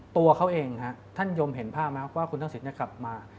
ตัวเขาเองท่านยมเห็นภาพมั้ยว่าคุณท่างศิษย์จะกลับมา